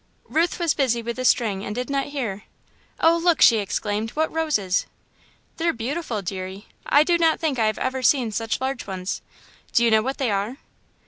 Ruth was busy with the string and did not hear. "Oh, look!" she exclaimed, "what roses!" "They're beautiful, deary. I do not think I have ever seen such large ones. Do you know what they are?"